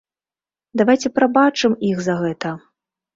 Давайце прабачым іх за гэта.